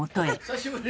久しぶり！